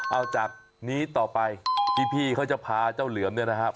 เอาจากนี้ต่อไปพี่เขาจะพาเจ้าเหลือมเนี่ยนะครับ